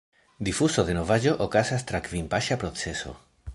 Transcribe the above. Difuzo de novaĵo okazas tra kvin–paŝa procezo.